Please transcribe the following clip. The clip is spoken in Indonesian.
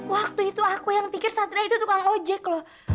waktu itu aku yang pikir satria itu tukang ojek loh